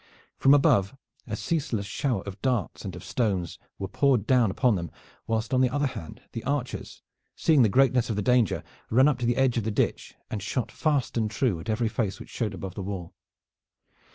From above a ceaseless shower of darts and of stones were poured down upon them, while on the other hand the archers, seeing the greatness of the danger, ran up to the edge of the ditch, and shot fast and true at every face which showed above the wall.